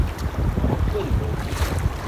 ون بووم.